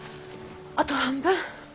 あと半分！